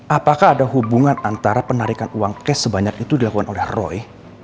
apakah ada hubungan antara penarikan uang cash sebanyak itu dilakukan oleh roy